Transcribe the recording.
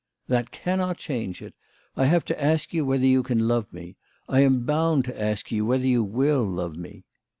" That cannot change it. I have to ask you whether you can love me. I am bound to ask you whether you will love me."